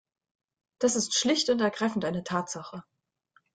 Das ist schlicht und ergreifend eine Tatsache.